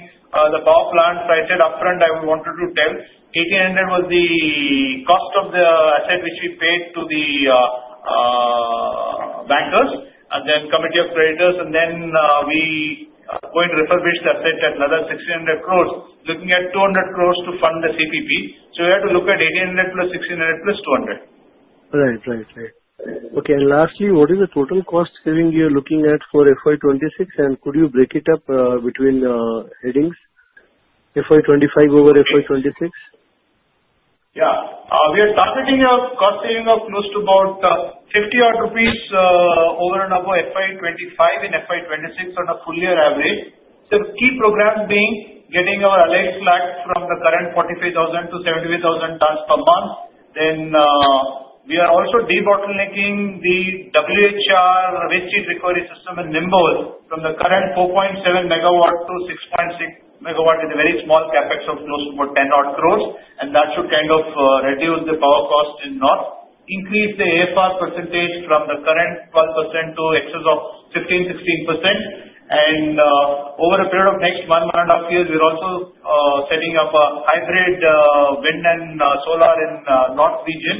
the power plant, I said upfront I wanted to tell 1,800 crore was the cost of the asset which we paid to the bankers and then Committee of Creditors. And then we are going to refurbish the asset at another 1,600 crore rupees, incurring 200 crore rupees to fund the CPP. So we have to look at 1,800 rupees plus 1,600 rupees plus 200. Right. Okay. Lastly, what is the total cost saving you're looking at for FY 2026? And could you break it up between headings, FY 2025 over FY 2026? Yeah. We are targeting a cost saving of close to about 50 rupees over and above FY 2025 and FY 2026 on a full-year average. The key programs being getting our AMNS slag from the current 45,000 to 75,000 tons per month. Then we are also de-bottlenecking the WHR waste recovery system in Nimbol from the current 4.7 MW to 6.6 MW with a very small capex of close to about 10 crore. And that should kind of reduce the power cost in North, increase the AFR percentage from the current 12% to excess of 15%-16%. And over a period of next one and a half years, we're also setting up a hybrid wind and solar in North region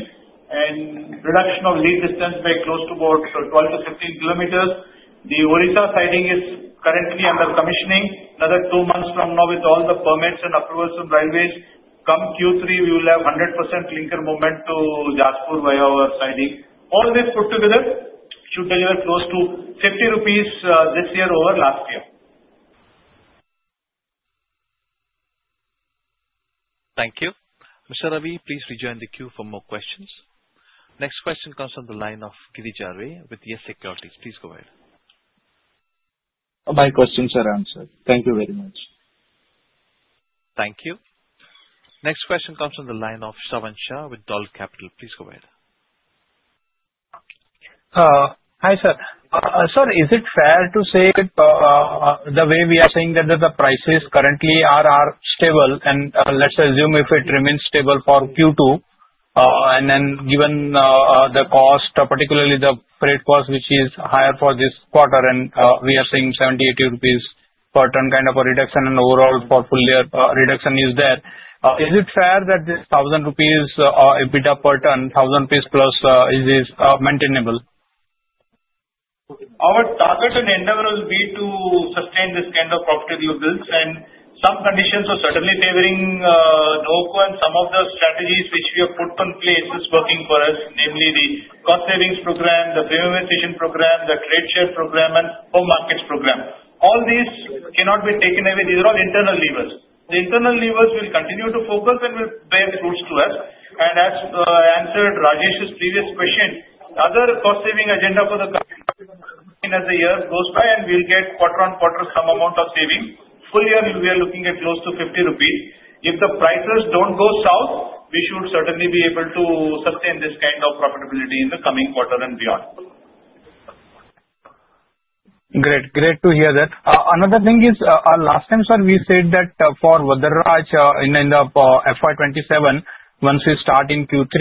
and reduction of lead distance by close to about 12-15 km. The Odisha siding is currently under commissioning. Another two months from now, with all the permits and approvals from Railways, come Q3, we will have 100% clinker movement to Jajpur via our siding. All this put together should deliver close to 50 rupees this year over last year. Thank you. Mr. Ravi, please rejoin the queue for more questions. Next question comes from the line of Girija Ray with YES Securities. Please go ahead. My question's already answered. Thank you very much. Thank you. Next question comes from the line of Shravan Shah with Dolat Capital. Please go ahead. Hi, sir. Sir, is it fair to say the way we are saying that the prices currently are stable? And let's assume if it remains stable for Q2, and then given the cost, particularly the freight cost, which is higher for this quarter, and we are seeing 78 rupees per ton kind of a reduction, and overall for full-year reduction is there, is it fair that the 1,000 rupees EBITDA per ton, 1,000 rupees plus, is this maintainable? Our target and endeavor will be to sustain this kind of property rebuilds. And some conditions are certainly favoring Nuvoco, and some of the strategies which we have put in place is working for us, namely the cost savings program, the premium acquisition program, the trade share program, and home markets program. All these cannot be taken away. These are all internal levers. The internal levers will continue to focus and will bear fruits to us. And as answered Rajesh's previous question, other cost saving agenda for the company as the year goes by, and we'll get quarter on quarter some amount of saving. Full year, we are looking at close to 50 rupees. If the prices don't go south, we should certainly be able to sustain this kind of profitability in the coming quarter and beyond. Great. Great to hear that. Another thing is, last time, sir, we said that for Vadraj in the FY 2027, once we start in Q3,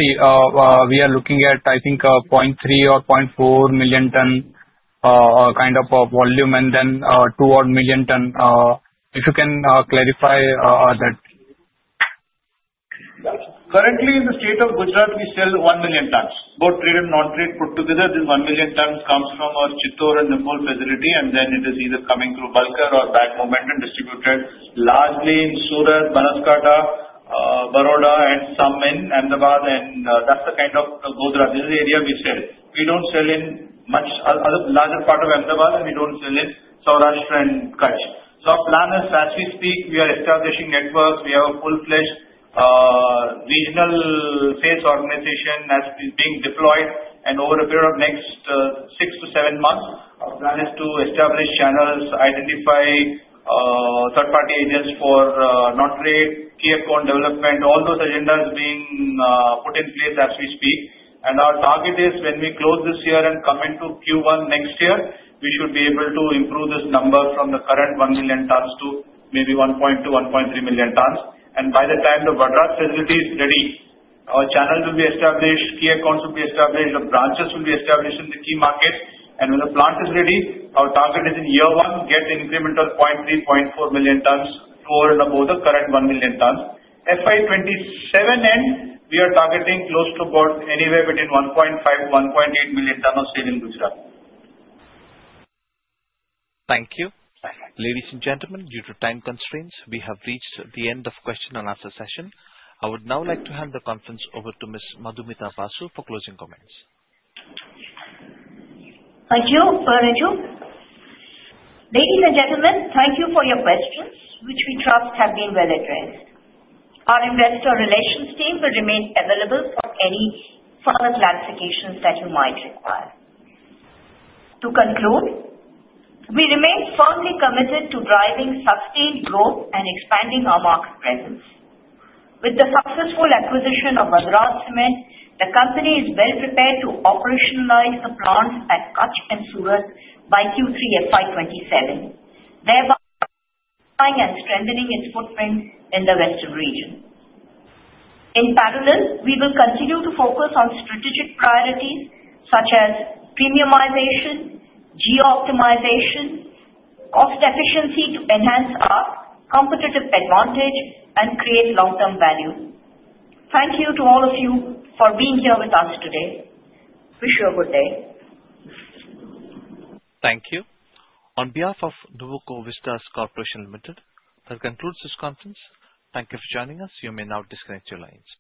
we are looking at, I think, 0.3 or 0.4 million ton kind of volume and then 2 odd million ton. If you can clarify that. Currently, in the state of Gujarat, we sell one million tons. Both trade and non-trade put together, this one million tons comes from our Chittor and Nimbol facility, and then it is either coming through bulk or backhaul movement distributed largely in Surat, Banaskantha, Baroda, and some in Ahmedabad. And that's the kind of Godhra. This is the area we sell. We don't sell in much other larger part of Ahmedabad, and we don't sell in Saurashtra and Kutch. So our plan is, as we speak, we are establishing networks. We have a full-fledged regional sales organization that is being deployed. And over a period of next six to seven months, our plan is to establish channels, identify third-party agents for non-trade, key account development, all those agendas being put in place as we speak. And our target is, when we close this year and come into Q1 next year, we should be able to improve this number from the current one million tons to maybe 1.2-1.3 million tons. And by the time the Vadraj facility is ready, our channels will be established, key accounts will be established, the branches will be established in the key markets. And when the plant is ready, our target is in year one, get incremental 0.3-0.4 million tons over and above the current one million tons. FY 2027 end, we are targeting close to about anywhere between 1.5-1.8 million tons of sales in Gujarat. Thank you. Ladies and gentlemen, due to time constraints, we have reached the end of question and answer session. I would now like to hand the conference over to Ms. Madhumita Basu for closing comments. Thank you, Raju. Ladies and gentlemen, thank you for your questions, which we trust have been well addressed. Our investor relations team will remain available for any further clarifications that you might require. To conclude, we remain firmly committed to driving sustained growth and expanding our market presence. With the successful acquisition of Vadraj Cement, the company is well prepared to operationalize the plants at Kutch and Surat by Q3 FY 2027, thereby strengthening its footprint in the Western region. In parallel, we will continue to focus on strategic priorities such as premiumization, geo-optimization, cost efficiency to enhance our competitive advantage, and create long-term value. Thank you to all of you for being here with us today. Wish you a good day. Thank you. On behalf of Nuvoco Vistas Corporation Limited, that concludes this conference. Thank you for joining us. You may now disconnect your lines.